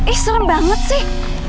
ih serem banget sih